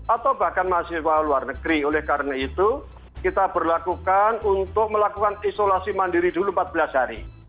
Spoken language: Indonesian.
atau bahkan mahasiswa luar negeri oleh karena itu kita berlakukan untuk melakukan isolasi mandiri dulu empat belas hari